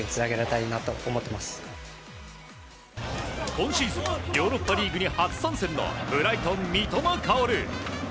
今シーズンヨーロッパリーグに初参戦のブライトン、三笘薫。